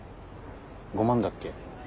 ５万だっけ？